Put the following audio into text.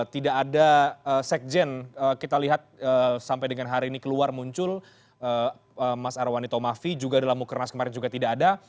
tidak ada sekjen kita lihat sampai dengan hari ini keluar muncul mas arwani tomafi juga dalam mukernas kemarin juga tidak ada